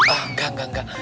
enggak enggak enggak